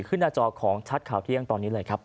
หน้าจอของชัดข่าวเที่ยงตอนนี้เลยครับ